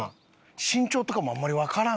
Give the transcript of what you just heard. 身長とかもあんまりわからん。